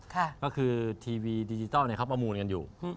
ก็คือทีวีดิจิทัลเนี่ยเขาประมูลกันอยู่